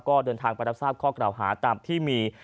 ก็เดินทางไปรับทราบข้อกล่าวหาตามที่มี